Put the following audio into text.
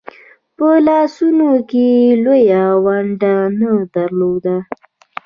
په لارښوونه کې یې لویه ونډه نه درلوده.